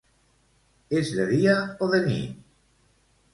És de dia o de nit?